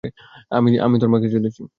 আমি তোর মাকে চুদেছি।